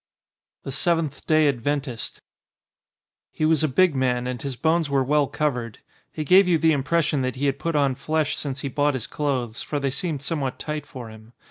XXXVII THE SEVENTH DAY ADVENTIST HE was a big man, and his bones were well covered. He gave you the im pression that he had put on flesh since he bought his clothes, for they seemed somewhat tight for him.